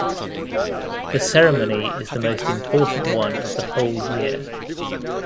The ceremony is the most important one of the whole year.